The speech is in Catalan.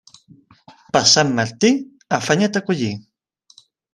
Per Sant Martí, afanya't a collir.